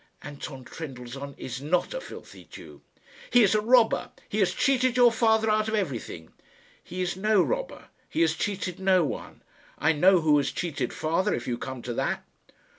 "Anton Trendellsohn is not a filthy Jew." "He is a robber. He has cheated your father out of everything." "He is no robber. He has cheated no one. I know who has cheated father, if you come to that."